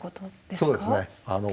そうですね。